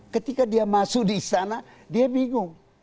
ketika dia masuk di istana dia bingung